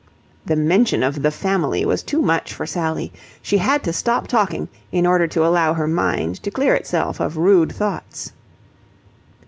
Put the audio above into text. The mention of the family was too much for Sally. She had to stop talking in order to allow her mind to clear itself of rude thoughts.